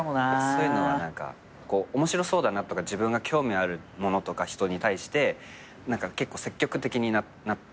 そういうのは何か面白そうだなとか自分が興味あるものとか人に対して何か結構積極的になったかもしれない。